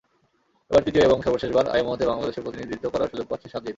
এবার তৃতীয় এবং সর্বশেষবার আইএমওতে বাংলাদেশের প্রতিনিধিত্ব করার সুযোগ পাচ্ছে সানজিদ।